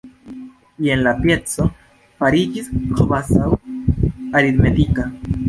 Jen la pieco fariĝis kvazaŭ 'aritmetika'.